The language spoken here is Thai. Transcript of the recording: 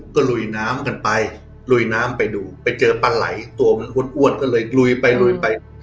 ก็ลุยน้ำกันไปลุยน้ำไปดูไปเจอปลาไหล่ตัวมันอ้วนก็เลยลุยไปลุยไป